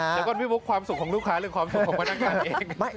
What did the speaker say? แล้วก็พี่บุ๊คความสุขของลูกค้าหรือความสุขของพนักงานเอง